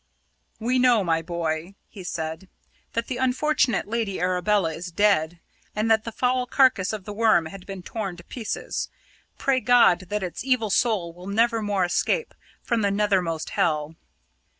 "We know, my boy," he said, "that the unfortunate Lady Arabella is dead, and that the foul carcase of the Worm has been torn to pieces pray God that its evil soul will never more escape from the nethermost hell."